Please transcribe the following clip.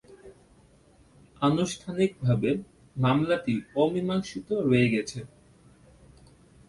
আনুষ্ঠানিকভাবে, মামলাটি অমীমাংসিত রয়ে গেছে।